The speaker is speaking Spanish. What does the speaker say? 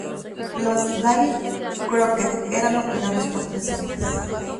Los Davy Crockett eran operados por tres hombres.